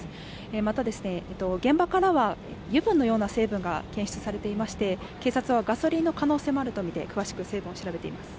また、現場からは油分のような成分が検出されていまして警察はガソリンの可能性もあるとみて詳しく成分を調べています。